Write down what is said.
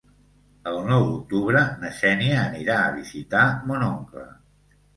El nou d'octubre na Xènia anirà a visitar mon oncle.